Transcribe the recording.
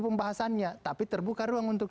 pembahasannya tapi terbuka ruang untuk